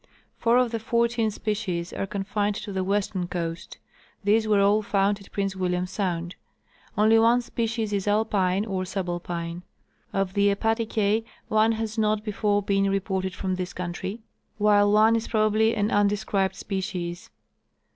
Four of the fourteen species are confined to the western coast. These were all found at Prince William sound. Only one species is alpine or subalpine. Of the Hepaticse, one has not before been repoited from this country, while one is probably an undescribed species.